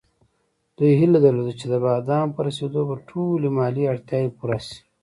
دوی هیله درلوده چې د بادامو په رسېدو به ټولې مالي اړتیاوې پوره شي.